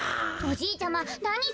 おじいちゃまなに？